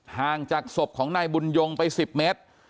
ห่างจากศพของนายบุญยงไป๑๐เมตร